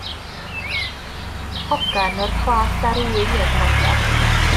Hogan o'r Clas-ar-wy oedd Morgan.